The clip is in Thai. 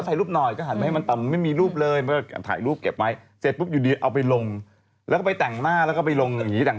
แต่หนูเห็นพี่มีใส่ชุดกระโปรงใส่ส้มสูง